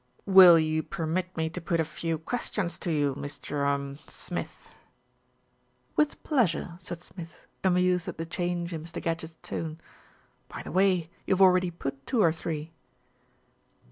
"Will you permit me to put a few questions to you, Mr. er Smith?" "With pleasure," said Smith, amused at the change in Mr. Gadgett's tone. "By the way, you've already put two or three."